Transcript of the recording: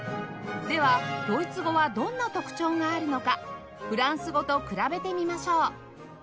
ではドイツ語はどんな特徴があるのかフランス語と比べてみましょう